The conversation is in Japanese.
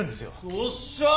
よっしゃー！